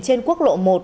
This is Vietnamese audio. trên quốc lộ một